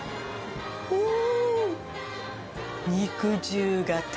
うん！